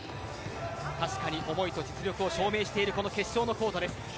確かに思いと実力を証明している決勝のコートです。